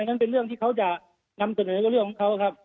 นั่นเป็นเรื่องที่เขาจะนำเสนอเรื่องของเขาครับ